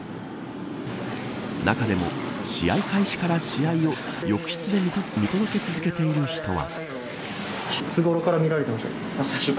中でも、試合開始から試合を浴室で見届け続けている人は。